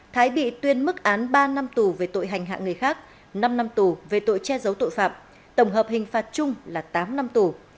thái bị tuyên mức án ba năm tù về tội hành hạ người khác năm năm tù về tội che giấu tội phạm tổng hợp hình phạt chung là tám năm tù